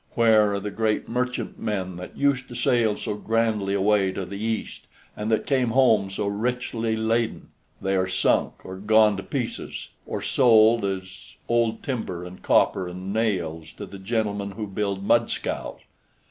Where are the great merchantmen that used to sail so grandly away to the East and that came home so richly laden? They are sunk or gone to pieces, or sold as old timber and copper and nails to the gentlemen who build mudscows.